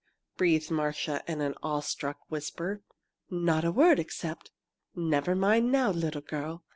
breathed Marcia, in an awe struck whisper. "Not a word except, 'Never mind now, little girl!'